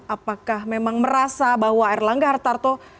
apakah memang merasa bahwa erlangga hartarto